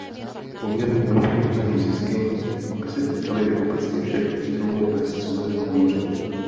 Poměrně velké územní zisky by se týkaly obecně všech ostrovů ve Středozemním moři.